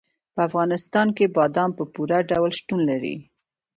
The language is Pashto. په افغانستان کې بادام په پوره ډول شتون لري.